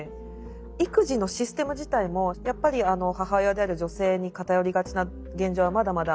育児のシステム自体もやっぱり母親である女性に偏りがちな現状はまだまだあるから。